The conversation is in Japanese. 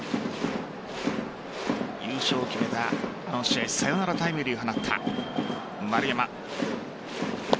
優勝を決めたあの試合サヨナラタイムリーを放った丸山。